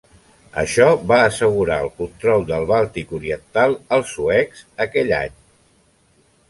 Això va assegurar el control del Bàltic oriental als suecs aquell any.